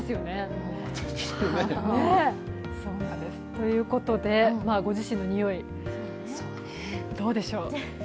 ということで、ご自身のにおいどうでしょう。